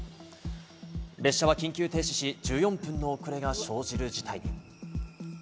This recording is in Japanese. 列車は緊急停止し、１４分の遅れが生じる事態に。